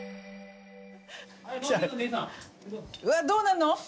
どうなんの？